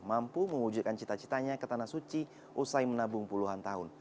mampu mewujudkan cita citanya ke tanah suci usai menabung puluhan tahun